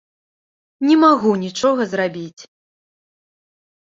Не магу нічога зрабіць!